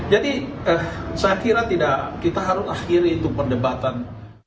jadi saya kira kita harus akhiri itu pendebatan